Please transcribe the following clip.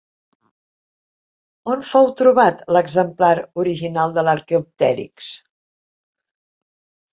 On fou trobat l'exemplar original de l'arqueòpterix?